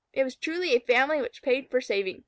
It was truly a family which paid for saving.